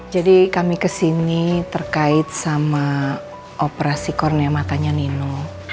jadi kami kesini terkait sama operasi kornea matanya nino